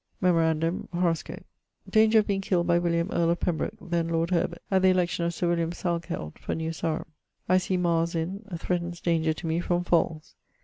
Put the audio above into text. (Memorandum: horoscope....) Danger of being killed by William, earl of Pembroke, then lord Herbert, at the election of Sir William Salkeld for New Sarum. I see Mars in ... threatnes danger to me from falls.